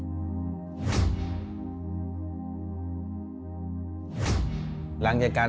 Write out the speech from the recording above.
พ่อลูกรู้สึกปวดหัวมาก